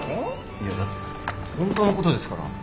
いやだって本当の事ですから。